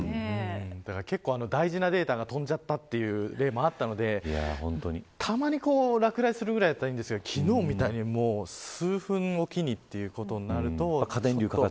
結構、大事なデータが飛んじゃったという例もたまに落雷するくらいだったらいいのですが昨日みたいに数分おきとなると。